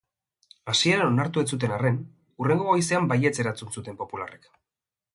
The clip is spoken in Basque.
Hasieran onartu ez zuten arren, hurrengo goizean baietz erantzun zuten popularrek.